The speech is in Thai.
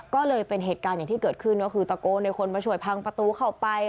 ก็เลยเป็นเหตุการณ์อย่างที่เกิดขึ้นก็คือตะโกนให้คนมาช่วยพังประตูเข้าไป